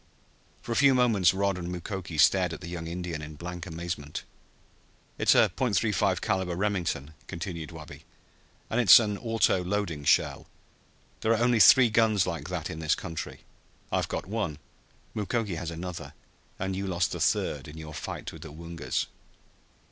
For a few moments Rod and Mukoki stared at the young Indian in blank amazement. "It's a .35 caliber Remington," continued Wabi, "and it's an auto loading shell. There are only three guns like that in this country. I've got one, Mukoki has another and you lost the third in your fight with the Woongas!"